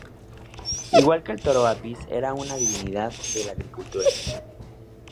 Igual que el toro Apis, era una divinidad de la agricultura.